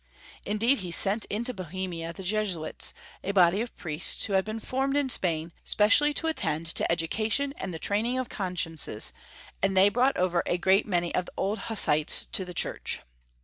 Indeed he sent into Bohemia the Jesuits, a body of priests who had been formed in Spain, specially to attend to education and to 302 Young Folks' History of Germany. the training of consciences, and they brought over a great many of the old Hussites to the Church.